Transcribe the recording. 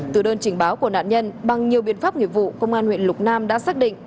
từ đơn trình báo của nạn nhân bằng nhiều biện pháp nghiệp vụ công an huyện lục nam đã xác định